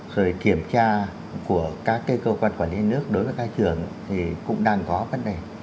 rồi kiểm tra của các cơ quan quản lý nước đối với các trường thì cũng đang có vấn đề